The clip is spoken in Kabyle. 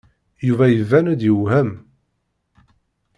Yuba iban-d yewhem.